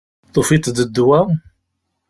Tufiḍ-d ddwa?